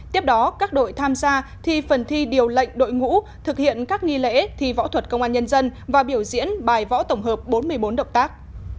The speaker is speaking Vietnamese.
tiếp đó các đội tham gia thi phần thi điều lệnh đội ngũ thực hiện các nghi lễ thi võ thuật công an nhân dân và biểu diễn bài võ tổng hợp bốn mươi bốn động tác